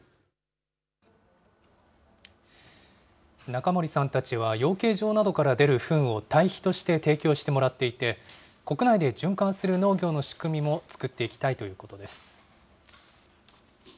中森さんたちは、養鶏場などから出るふんを堆肥として提供してもらっていて、国内で循環する農業の仕組みも作っていきたいということです。